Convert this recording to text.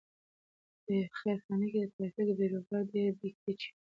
په خیرخانه کې د ترافیکو بېروبار ډېر بې کچې و.